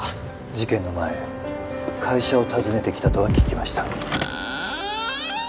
事件の前会社を訪ねてきたとは聞きました